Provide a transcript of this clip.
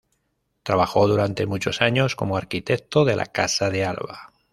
Trabajó durante muchos años como arquitecto de la Casa de Alba.